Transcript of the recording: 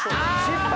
失敗。